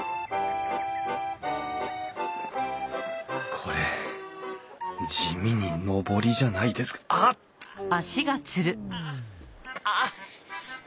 これ地味に上りじゃないですかあっあっあ！